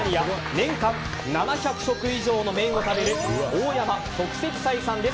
年間７００食以上の麺を食べる大山即席斎さんです。